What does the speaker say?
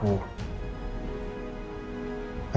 reina juga anak aku